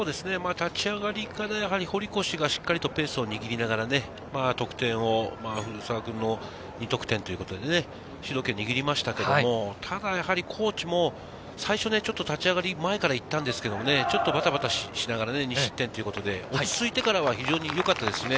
立ち上がりから堀越がしっかりとペースを握りながら得点は古澤君の２得点ということでね、主導権を握りましたけれども、ただ、高知も最初、立ち上がり、前から行ったんですけどね、バタバタしながら２失点ということで、落ち着いてからは非常によかったですしね。